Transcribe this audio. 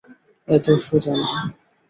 এতো সোজা না।